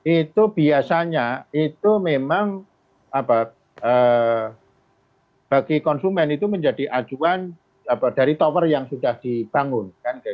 itu biasanya itu memang bagi konsumen itu menjadi acuan dari tower yang sudah dibangun